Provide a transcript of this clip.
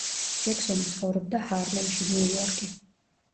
ჯექსონი ცხოვრობდა ჰარლემში, ნიუ-იორკი.